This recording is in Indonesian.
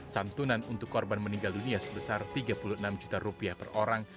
santunan untuk korban meninggal dunia sebesar tiga puluh enam juta rupiah per orang